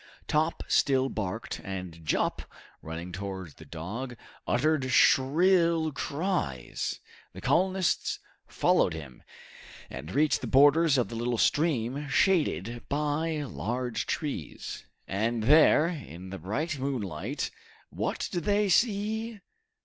Top still barked, and Jup, running towards the dog, uttered shrill cries. The colonists followed him, and reached the borders of the little stream, shaded by large trees. And there, in the bright moonlight, what did they see?